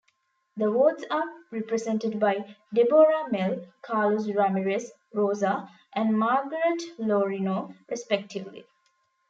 The wards are represented by Deborah Mell, Carlos Ramirez-Rosa and Margaret Laurino respectively.